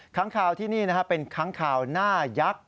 ค้างข่าวที่นี่เป็นค้างข่าวหน้ายักษ์